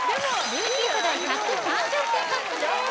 ルーキー世代１３０点獲得です